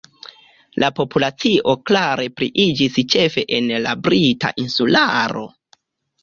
La populacio klare pliiĝis ĉefe en la Brita Insularo.